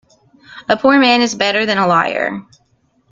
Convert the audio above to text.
A poor man is better than a liar.